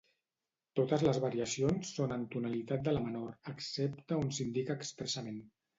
Totes les variacions són en tonalitat de la menor excepte on s'indica expressament.